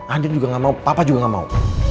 andin juga gak mau papa juga gak mau